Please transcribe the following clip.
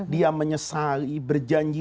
dia menyesali berjanji